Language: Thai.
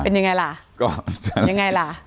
เป็นยังไงล่ะก็ยังไงล่ะ